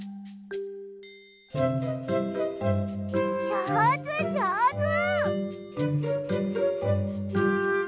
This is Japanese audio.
じょうずじょうず！